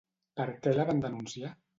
Per què la van denunciar?